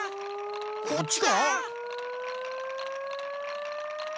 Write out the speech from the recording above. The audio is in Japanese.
こっちか？